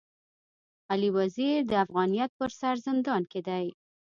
علي وزير د افغانيت پر سر زندان کي دی.